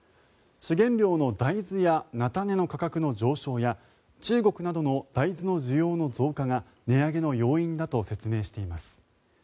主原料の大豆や菜種の価格の上昇や中国などの大豆の需要の増加が値上げの要因だと説明しています。